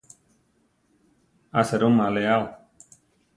A serúma alé ao.